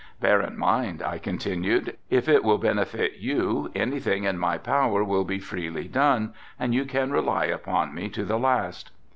"Bear in mind," I continued, "If it will benefit you, any thing in my power will be freely done and you can rely upon me to the last."